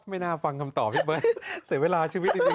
ไม่น่าฟังคำตอบพี่เบิ้ลเสียเวลาชีวิตจริง